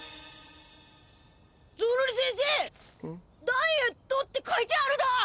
ゾロリせんせダイエットって書いてあるだ！